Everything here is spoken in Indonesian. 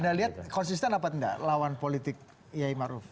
anda lihat konsisten apa enggak lawan politik yai maruf